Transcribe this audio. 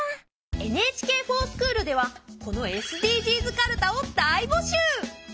「ＮＨＫｆｏｒＳｃｈｏｏｌ」ではこのＳＤＧｓかるたを大募集！